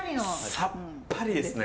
さっぱりですね！